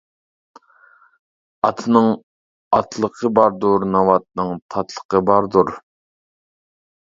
ئاتنىڭ ئاتلىقى باردۇر، ناۋاتنىڭ تاتلىقى باردۇر.